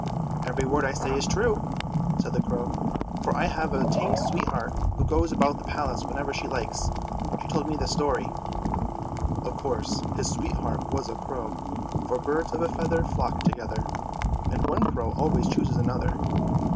" Every word I say is true," said the crow, "for I have a tame sweetheart who goes about the Palace whenever she likes. She told me the story." Of course his sweetheart was a crow, for " birds of a feather flock together," and one crow always chooses another.